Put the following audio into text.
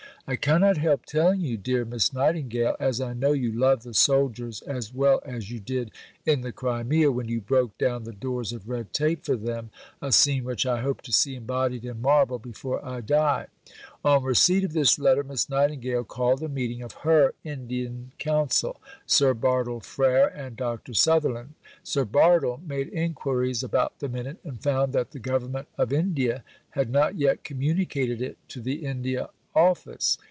"I cannot help telling you, dear Miss Nightingale, as I know you love the soldiers as well as you did in the Crimea when you broke down the doors of red tape for them, a scene which I hope to see embodied in marble before I die." On receipt of this letter, Miss Nightingale called a meeting of her Indian Council Sir Bartle Frere and Dr. Sutherland. Sir Bartle made inquiries about the Minute, and found that the Government of India had not yet communicated it to the India Office.